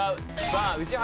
ああ宇治原。